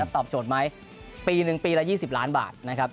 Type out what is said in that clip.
ตอบโจทย์ไหมปีหนึ่งปีละ๒๐ล้านบาทนะครับ